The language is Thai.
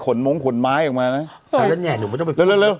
ขนม้องขนไม้ออกมาน่ะสารแน่หนูไม่ต้องไปเร็วเร็วเร็ว